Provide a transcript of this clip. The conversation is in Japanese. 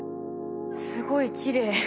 すごいきれい。